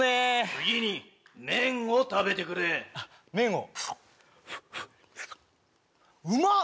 次に麺を食べてくれあっ麺をフーフーうまっ！